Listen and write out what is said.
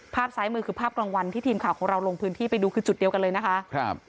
ซ้ายมือคือภาพกลางวันที่ทีมข่าวของเราลงพื้นที่ไปดูคือจุดเดียวกันเลยนะคะครับ